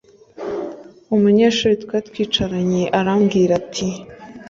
umunyeshuri twari twicaranye, arambwira ati: